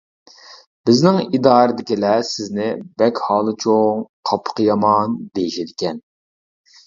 بىزنىڭ ئىدارىدىكىلەر سىزنى «بەك ھالى چوڭ، قاپىقى يامان» دېيىشىدىكەن.